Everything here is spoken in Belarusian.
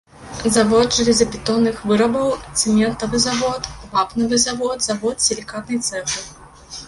Завод жалезабетонных вырабаў, цэментавы завод, вапнавы завод, завод сілікатнай цэглы.